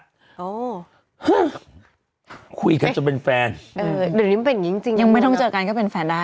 คุยกันจนเป็นแฟนเออเดี๋ยวนี้มันเป็นอย่างงี้จริงจริงยังไม่ต้องเจอกันก็เป็นแฟนได้